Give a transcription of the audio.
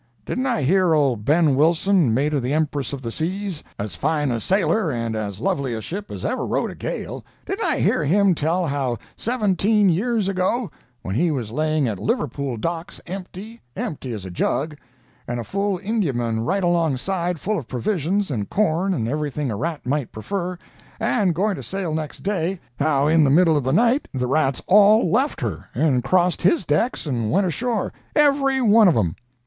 Didn't I hear old Ben Wilson, mate of the Empress of the Seas—as fine a sailor and as lovely a ship as ever rode a gale—didn't I hear him tell how, seventeen years ago, when he was laying at Liverpool docks empty—empty as a jug—and a full Indiaman right alongside, full of provisions, and corn, and everything a rat might prefer, and going to sail next day—how in the middle of the night the rats all left her and crossed his decks and went ashore every one of 'em!